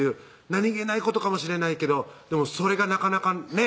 何気ないことかもしれないけどでもそれがなかなかね